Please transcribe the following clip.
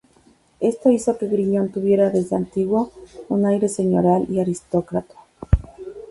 Esto hizo que Griñón tuviera, desde antiguo, un aire señorial y aristocrático.